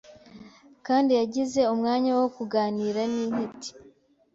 kandi yagize umwanya wo kuganira n’intiti